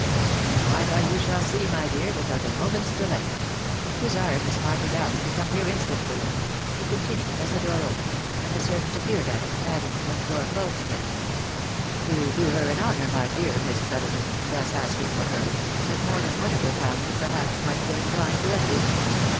" And Martha you shall see, my dear, without a moment's delay. Desire Miss Martha Dowling to come here instantly !" he continued, as the door opened, and a servant appeared at it — adding, when the door closed again, " You do her an honour, my dear Miss Brotherton, in thus asking for her, that more than one of her family, perhaps, might feel inclined to envy."